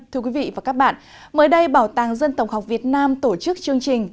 thưa quý vị và các bạn mới đây bảo tàng dân tổng học việt nam tổ chức chương trình